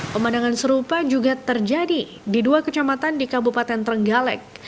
pemandangan serupa juga terjadi di dua kecamatan di kabupaten trenggalek